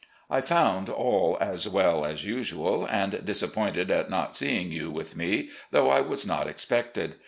I found all as well as usual, and disappointed at not seeing you with me, though I was not expected.